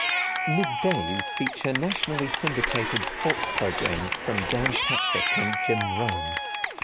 Middays feature nationally syndicated sports programs from Dan Patrick and Jim Rome.